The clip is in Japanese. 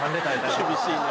厳しいね。